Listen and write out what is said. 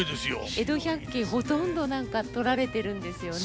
「江戸百景」ほとんど撮られてるんですよね。